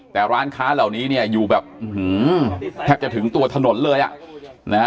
แต่ร้านค้าเหล่านี้เนี่ยอยู่แบบแทบจะถึงตัวถนนเลยอ่ะนะฮะ